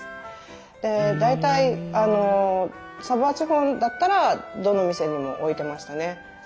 で大体サヴォワ地方だったらどの店にも置いてましたね。